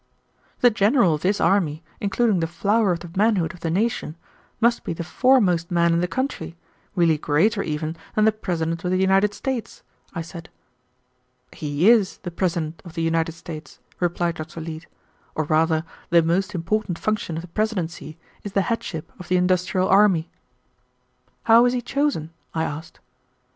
"The general of this army, including the flower of the manhood of the nation, must be the foremost man in the country, really greater even than the President of the United States," I said. "He is the President of the United States," replied Dr. Leete, "or rather the most important function of the presidency is the headship of the industrial army." "How is he chosen?" I asked.